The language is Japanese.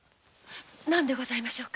何でございましょう？